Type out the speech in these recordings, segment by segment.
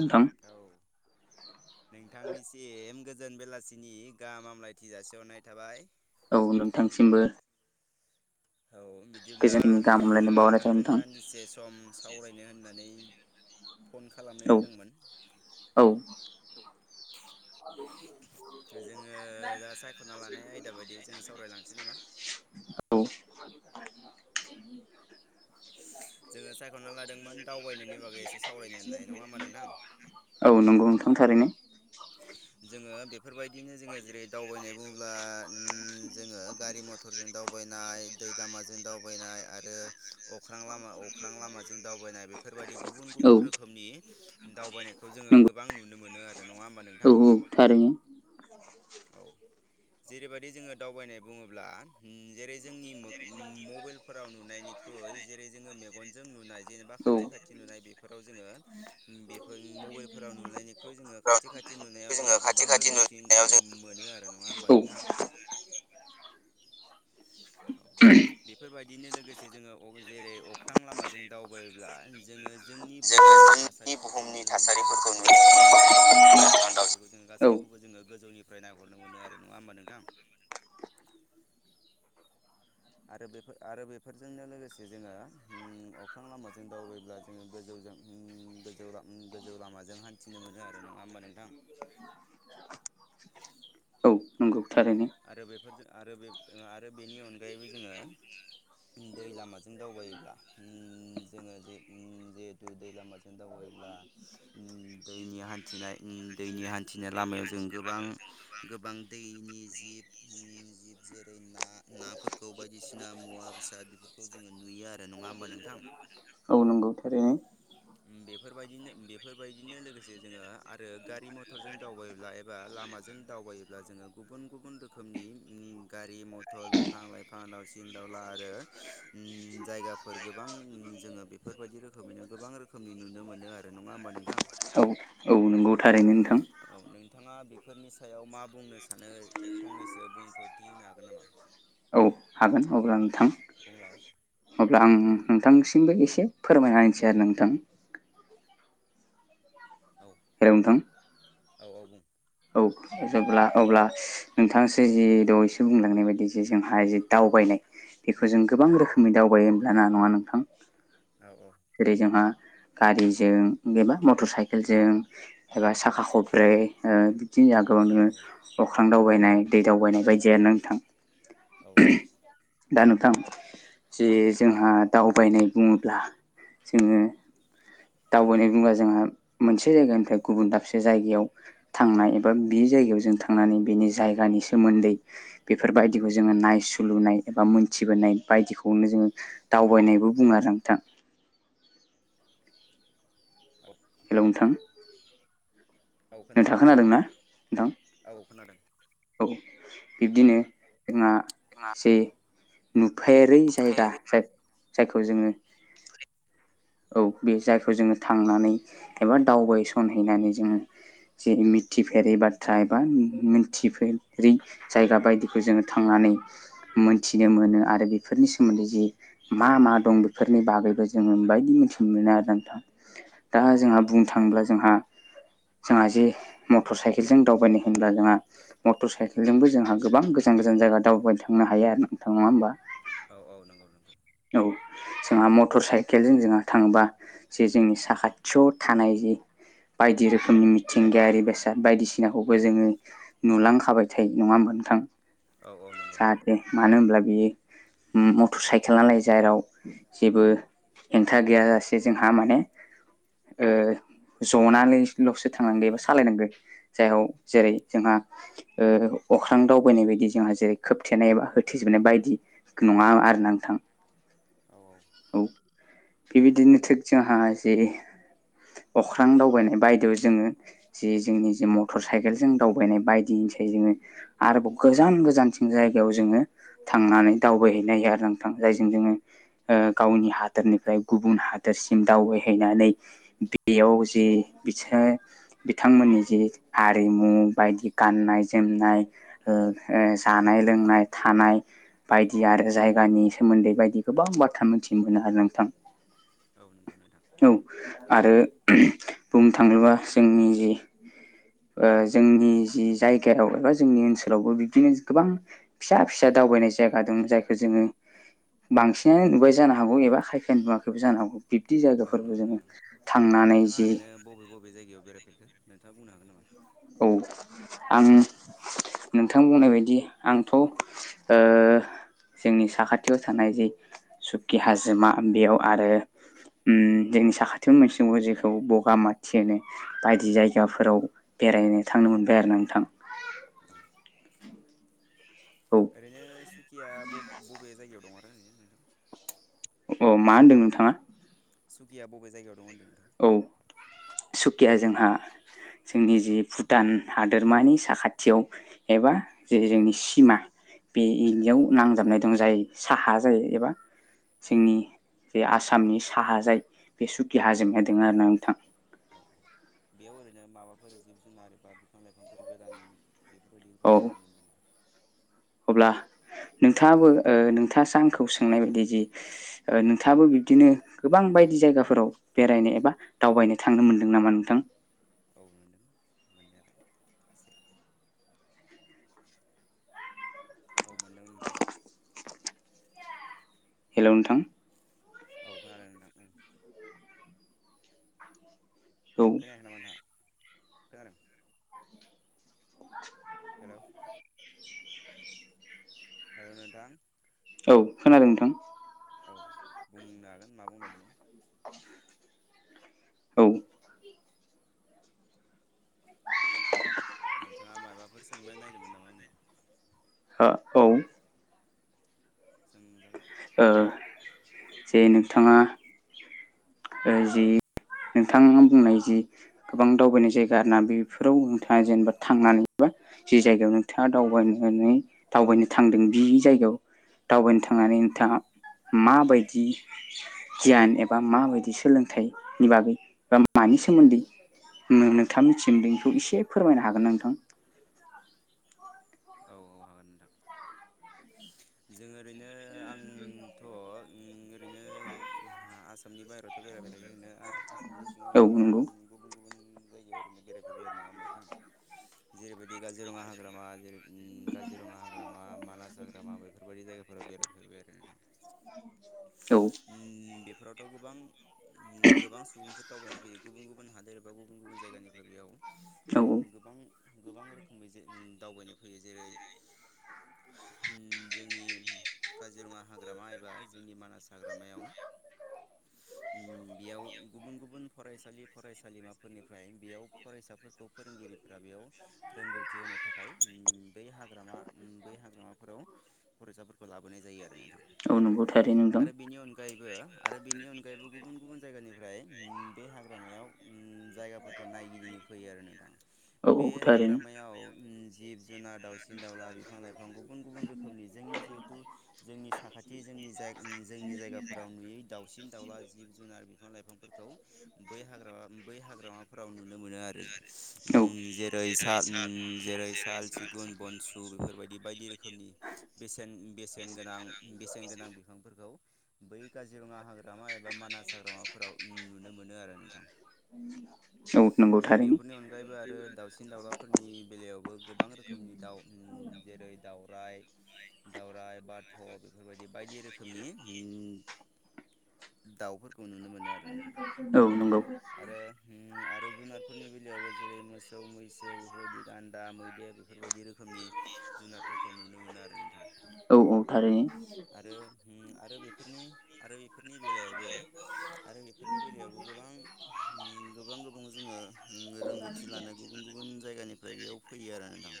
नोंथां नोंथांनिसिम गोजोन बेलासिनि गाहाम हामलायथि जासिहरनाय थाबाय। औ नोंथांसिमबो। औ बिदिला गोजोननि गाहाम हामलायनाय बावहरनाय थाबाय नोंथांजों नोंथां दान्दिसे सम सावरायनो होननानै फन औ खालामनाय जादोंमोन। औ। जोङो दा सायखना लानाय आयदा बायदि जोङो सावरायलांनोसै नामा। औ। जोङो सायखना लादोंमोन दावबायनायनि बागै एसे सावरायनो होननानै नङा होमबा नोंथां। औ नंगौ नोंथां थारैनो। जोङो बेफोरबायदिनो जोङो जेरै दावबायनाय बुङोब्ला उम जोङो गारि मथरजों दावबायनाय, दै लामाजों दावबायनाय आरो अख्रां लामा अख्रां लामाजों दावबायनाय बेफोरबायदि गुबुन - औ गुबुन रोखोम रोखोमनि दावबायनायखौ जोङो नंगौ गोबां नुनो मोनो आरो नङा होम औ औ थारैनो औ जेरैबायदि जोङो दावबायनाय बुङोब्ला ओम जेरै जोंनि मबाइलफोराव नुनायनिख्रुय जेरै जोङो मे गनजों नुनाय जेनेबा औ खाथि - खाथि नुनाय बेफोराव जोङो उम बेफोर मबाइलफोराव नुनायनिख्रुइ जोङो खाथि खाथि नुनायाव जोङो गोबां रोंगौथि मोनो आरो नङा होमबा औ नोंथां। औ। बेफोरबायदिनो लोगोसे जोङो जेरै अख्रां लामाजों दावबायोला जोङो जोंनि बुहुमनि थासारिफोरखौ नुनो मोनो आरो जेरै बिफां - लाइफां, दावउसिन - दाउला बेफोरखौ जोङो औ गासैखौबो जोङो गोजौनि फाय नायहरनो मोनो आरो नङा होमब्ला नोंथां। आरो बेफोर आरो बेफोरजोंनो लोगोसे जोङो ओ अख्रां लामाजों दावबायब्ला जोङो गोजौजों ओ गोजौ ओ गोजौ लामाजों हान्थिनो मोनो आरो नङा होमबा नोंथां। औ थारैनो। आरो बेफोरजों आरो बे आरो बेनि अनगायैबो जोङो दै लामाजों दावबायोब्ला ओ जोङो जे ओ जे दै लामाजों दावबायोब्ला ओम दैनि हान्थिनाय ओ दैनि थिनाय लामायाव जों गोबां गोबां दैनि जिब जिब जेरै ना नाफोरखौ बायदिसिना मुवा बेसाद बेफोरखौ खौ जोङो नुयो आरो नङा होमबा नोंथां। औ नंगौ थारैनो। उम बेफोरबायदिनो बेफोरबायदिनो लोगोसे जोङो आरो गारि मथरजों दावबायोब्ला एबा लामाजों दावबायोब्ला जोङो गुबुन - गुबुन रोखोमनि ओम गारि - मथर, बिफां - लाइफां दावसिन दाउला आरो उम जायगाफोर गोबां जोङो बेफोरबायदि रोखोमैनो गोबां रोखोमनि नुनो मोनो आरो नङा होमबा नोंथां। औ - औ। नंगौ थारैनो नोंथां। औ नोंथाङा बेफोरनि सायाव मा बुंनो सानो फंनैसो बुंफोरथि होनो हागोन नामा? औ हागोन अब्ला नोंथां। बुंलाय अब्ला आं नोंथांसिमबो एसे फोरमायहसै आरो नोंथां। औ हेलौ नोंथां। औ औ बुं। औ जेब्ला अब्ला, नोंथांसो जि दहैसे बुंलांनाय बायदि जे जोंहा जि दावबायनाय। बेखौ जों गोबां औ रोखोमनि दावबायो होमब्लाना नंङा नोंथां। औ औ जेरै जोंहा गारिजों एबा मटर साइकेलजों। एबा साखा औ खब्रै ओ बिदिनो जा गोबां दङो। अख्रां दावबायनाय दै दावबायनाय बायदिया नोंथां। औ औ। दा नोंथां जि जोंहा दावबायनाय बुङोब्ला जोङो। दावबायनाय बुंबा जोंहा मोनसे जायगानिफ्राय गुबुन दाबसे जायगायाव। थांनाय एबा बि जायगायाव जों थांनानै बेनि जायगानि सोमोन्दै। बेफोर बायदिखौ जोङो नायसुलुनाय एबा मोन्थिबोनाय बायदिखौनो जोङो। दावबायनायबो बुङो आरो नोंथां। औ। हेलौ नोंथां। औ खोनादों नोंथाङा ना नोंथां ओ खोनादों। औ बिब्दिनो जोंहा जे। नुफेरै जायगा जाय जायखौ जोङो। औ बे जायखौ जोङो थांनानै एबा दावबायसनहैनानै जोङो। जेरै मिथिफेरै बाथ्रा एबा मि मिन। मिथिफिरै जायगा बायदिखौ जोङो थांनानै। मोनथिनो मोनो आरो बेफोरनि सोमोन्दै जे मा मा दं बेफोरनि बागैबो जोङो मोनबाय। मिथिनो मोना आरो नोंथां दा औ नंगौ जोंहा बुंनो थाङोब्ला जोंहा। जोंहा जे मटर साइकेलजों दावबायनाय होनोब्ला जोंहा। मटर साइकेलजोंबो जोंहा गोबां गोजान गोजान जायगा दावबायनो थांनो हायो आरो नोंथां नङा होमबा। औ औ नंगौ नंगौ। औ जोंहा मटर साइकेलजों जोंहा थाङोबा। जे जोंनि साखाथियाव थानाय जि। बायदि रोखोमनि मिथिंगायारि बेसाद बायदिसिनाखौबो जोङो। नुलांखाबाय थायो नङा होनबा नोंथां। औ औ नंगौ। दे मानो होनब्ला बेयो उम मटर साइकेला लाइजाराव। जेबो हेंथा गैया जासे जोंहा माने ओ। जनानैल'सो थांनांगौ एबा सालायनांगौ जायहाव जेरै जोंहा। ओ अख्रां दावबायनाय बायदि जोंहा जेरै खोबथेनाय बा होथे जोबनाय बायदि। नङा आरो ना नोंथां। औ औ। औ बेबायदिनो थिक जोंहा जि। अख्रां दावबायनाय बायदियाव जोङो। जे जोंनि जे मटर साइकेल जों दावबायनाय बायदिनिसाय जोङो। आरोबाव गोजान गोजानसिन जायगायाव जोङो थांनानै दावबायहैनाय जागोन। थां जायजों जोङो ओ गावनि हादोरनिफ्राय गुबुन हादोरसिम दावबायहैनानै। बेयाव जे बिसाय। बिथांमोननि जि हारिमु बायदि गाननाय जोमनाय। ओ ओ जानाय लोंनाय थानाय बायदि आरो जायगानि। सोमोन्दै बायदि गोबां बाथ्रा मिन्थि नों मोनो आरो ना नोंथां। औ नंगौ नोंथां। औ आरो बुंनो थाङोबा जोंनि जि ओ। जोंनि जि जायगायाव एबा। जोंनि ओनसोलावबो बिब्दिनो गोबां फिसा फिसा दावबायनाय जायगा दं जायखौ जोङो। बांसिनानो नुबाय जानो हागौ एबा खायफाया नुवाखैबो जानो हागौ। बिब्दि औ जायगाफोरबो नंगौ जोङो नोंथां थांनानै नोंथाङा जि। ओरैनो बबे बबे जायगायाव बेरायफेरखो नोंथाङा बुंनो हागोन नामा औ आं नोंथां बुंनाय बदि आंथ' ओ जोंनि साखाथियाव थानाय जे सुकि हाजोमा बेयाव आरो उम जोंनि साखाथियावनो मोनसे दङ जेखौ बगामाथि होनो बायदि जायगाफोराव बेरायनो थांनो मोनबाय आरो ना नोंथां औ औ ओरैनो सुकिया बब बबे जायगायाव दं आरो ओरैनो नोंथां अ मा होनदों नोंथाङा सुकिया बबे जायगायाव दं होनदों नोंथां औ सुखिया जोंहा जोंनि जि भुटान हादोरमानि साखाथियाव एबा जेरै जोंनि सिमा बे औ इनियाव नांजाबनाय दं जाय साहा जायो एबा औ जोंनि जे आसामनि साहा जाय बे सुकि हाजोमाया दों आरो ना नोंथां औ औ बेयाव ओरैनो माबाफोर जिब जुनार बा बिफां लाइफांफोर गोदान बेफोरबायदिफोर औ नुनो मोनोदों अब्ला नोंथाङाबो ओ नोंथाङासो आंखौ सोंनाय बायदि जे ओ नोंथाङाबो बिब्दिनो गोबां बायदि जायगाफोराव बेरायनो एबा दावबायनो थांनो मोनदों नामा नोंथां औ मोनदों मोननायालाय एसे औ मोनदों नोंथां हेल' नोंथां औ खोनादों नोंथां ओ औ खोनायाखै नामा नोंथाङा खोनादों [unintelligible] हेल' [unintelligible] हेल' नोंथां औ खोनादों नोंथां औ बुंनो हागोन मा बुंनोनागीरदोंमोन औ औ [inaudible] नोंथाङा माबाफोर सोंनो नायदोंमोन नामा आंनियाव हा औ सोंजागोन ओ जे नोंथाङा ओ जि नोंथाङा बुंनाय जि गोबां दावबायनाय जायगा ना बेफोराव नोंथाङा जेनेबा थांनानैबो जे जायगायाव नोंथाङा दावबायनानै दावबायनो थांदों बे जायगायाव दावबायनो थांनानै नोंथाङा माबायदि गियान एबा मा बायदि सोलोंथाइनि बागै बा मानि सोमोन्दै ओ नोंथांनि थिम बेनखौ एसे फोरमायनो हागोन नोंथां औ औ हागोन नोंथां जों ओरैनो आं ओ थ' ओ ओरैनो हा आसामनि बाहेरायावथ' बेरायबाय थायो होनो आरो सामनिसिङाव औ एबा नंगौ गुबुन गुबुन जायगायाव ओरैनो बेरायफैबाय आरो नङामोनथां जेरैबायदि काजिरङा हाग्रामा जेरै काजिरङा हाग्रामा मानास हाग्रामा बेफोरबायदि जायगाफोराव बेरायफेरबाय आरो नोंथां। [inaudible] उम बेफोरावथ' गोबां उम गोबां सुबुंफोर दावबायनाय फैयो गुबुन हादोर एबा गुबुन गुबुन जायगानिफ्राय औ बेयाव गोबां गोबां रोखोमनि जे ओम दावबायनो फैयो जेरै जोंनि काजिरङा हाग्रामा एबा जोंनि मानास हाग्रामायाव [inaudible] उम बेयाव गुबुन गुबुन फरायसालि फरायसालिमाफोरनिफ्राय बेयाव फरायसाफोरखौ फोरोंगिरि फोराव बेयाव रोंगौथि होनो थाखाय बै हाग्रामा बै हाग्रामाफोराव फरायसाफोरखौ लाबोनाय जायो आरो नोंथां। औ नंगौ थारैनो नोंथां आरो बेनि अनगायबो आरो बेनि गुबुन गुबुन बे हाग्रामायाव उम जायगाफोरखौ नायगिदिंनो फैयो आरो औ नोंथाङा औ बे थारैनो हाग्रामायाव उम जिब जुनार दावउसिन दावउला बिफां लाइफां गुबुन गुबुन रोखोमनि जोंनि जिहेथु जोंनि साखाथि जोंनि जा जोंनि जायगाफोराव नुयै दाउसिन दाउला जिब जुनार बिफां लाइफांफोरखौ बै हाग्रा बै हाग्रामा फ्राव नुनो मोनो आरो औ उम जेरै सा उम जेरै साल सिगुन बनसु बेफोरबायदि बायदि रोखोमनि बेसे बेसेन गोनां बेसेनगोनां बिफांफोरखौ बै काजिरङा हाग्रामा एबा मानास हाग्रामाफोराव नुनो मोनो आरो नोंथां। औ नंगौ थारैनो बेफोरनि अनगायैबो आरो दाउसिन दाउलाफोरनि बेलायावबो गोबां रोखोमनि दाउ उम जेरै दावराइ दावरराय बाथ' बेफोरबायदि बायदि रोखोमनि उम दाउफोरखौ नुनो मोनो आरो नोंथां औ नंगौ आरो उम आरो जुनारफोरनि बेलायावबो जेरै मोसौ मैसो बेफोरबायदि गान्दा, मैदेर बेफोरबायदि रोखोमनि जुनारफोरखौ नुनो मोनो आरो नोंथां। औ औ थारैनो आरो उम आरो बेफोरनि आरो बेफोरनि बेलायावबो आरो बेफोरनि बेलायावबो गोबां उम गोबां गोबां जोङो रोंगौथि लानो गुबुन गुबुन जायगानिफ्राय बेयाव फैयो आरो ना नोंथां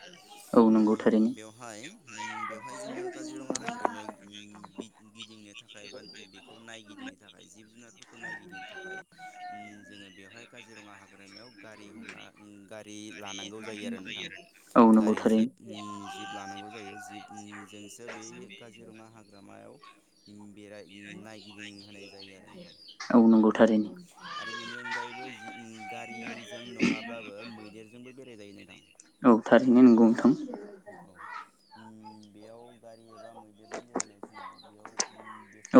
औ नंगौ उम थारैनो बेयाव बेवहाय उम बेवहाय जोङो काजिरङा हाग्रामायाव उम गिदिंनो थाखाय बा बेखौ नायगिदिंनो थाखाय जिब जुनारफोरखौ नायगिदिंनो थाखाय उम जोङो बेवहाय काजिरङा हाग्रामायाव हमना गारि लानांगौ जायो आरो नोंथां। औ नंगौ गारि जिब थारैनो अम जिब लानांगौ जायो जिब जोंसो बे काजिरङा हाग्रामायाव बेराय नायगिदिं होनाय जायो आरो नोंथां। औ नंगौ थारैनो आरो बेनि अनगायैबो जि गारिजों नङाब्लाबो मैदेरजोंबो बेराय जायो नोंथां। औ थारैनो नंगौ नोंथां औ अम‌ बेयाव गारि एबा मैदेरजों बेरायनाय समाव बेयाव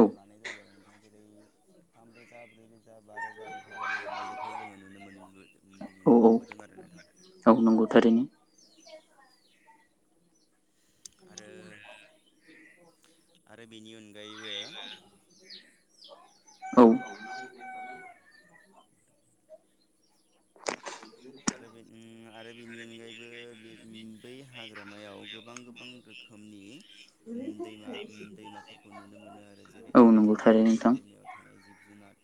औ लानाय जायो आरो नोंथां जेरै थामरोजा ब्रैरोजा बा रोजा बेफोरबायादि लानायखौ जोंङो नुनो मोन औ नुनो औ मोनबोदों आरो नोंथां। औ नंगौ थारैनो। आरो आरो बेनि अनगायैबो औ आरो आरो बेनि अनगायैबो बे बै हाग्रामायाव गोबां गोबां रोखोमनि अम दैमा अम दैमाफोरखौ नुनो मोनो आरो जेरै औ अम नंगौ थारैनो जेरै नोंथां दैमायाव थानाय जिब जुनार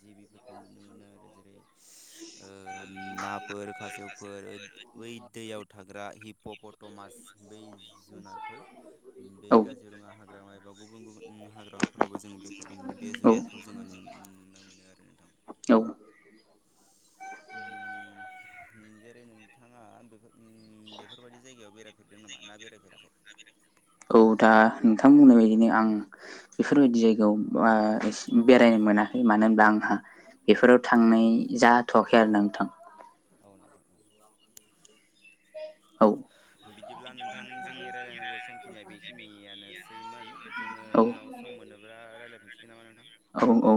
जिबिफोरखौ नुनो मोनो आरो जेरै ओ नाफोर खासेवफोर बै दैयाव थाग्रा हिपपटमास बै जुनारखौ बे औ काजिरङा हाग्रामा एबा गुबुन गुबुन हाग्रामाफोरावबो जोंङो बे बे जुनारखौ जोंङो नुनो मोनो आरो नोंथां औ अम अम जेरै नोंथाङा बेफोर अम बेफोरबायदि जायगायाव बेराय फेरदों नामा ना बेरायफेराखै औ दा नोंथां बुंनाय बायदिनो आं बेफोरबायदि जायगायाव बा बेरायनो मोनाखै मानो होनब्ला आंहा बेफोराव थांनाय जाथवाखै आरोना नोंथां। औ नोंथां औ औ बिदिब्ला नोंथां जोंनि रायलायनांगौ समखिनिया बेखिनियानोसैमोन जोंङो औ उनाव स म मोनोबा रायलायफिनसिगोन नामा नोंथां। औ औ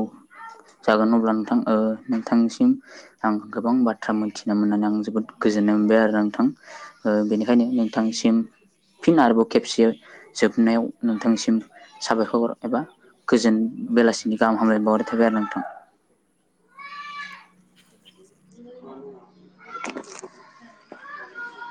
जागोन अब्ला नोंथां ओ नोंथांनिसिम आं गोबां बाथ्रा मोनथिनो मोननानै आं जोबोद गोजोननाय मोनबाय आरो नोंथां औ औ। बेनिखायनो नोंथांनिसिम फिन आरोबाव खेबसे जोबनायाव नोंथांनिसिम साबायखर एबा गोजोन औ बेलासिनि गाहाम नोंथांनिसिमबो हामलाय बावनाय गोजोन्थों। थाबाय आरोना नोंथां। [unintelligible] [inaudible]